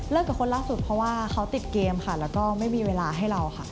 กับคนล่าสุดเพราะว่าเขาติดเกมค่ะแล้วก็ไม่มีเวลาให้เราค่ะ